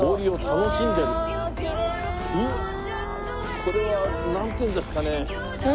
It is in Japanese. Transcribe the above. これはなんていうんですかね？